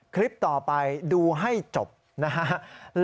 คลิปต่อไปดูให้จบนะฮะ